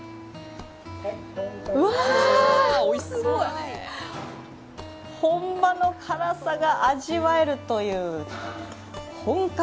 うわー、本場の辛さが味わえるという本格